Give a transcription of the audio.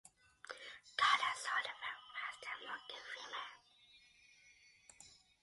Carlin sold the film rights to Morgan Freeman.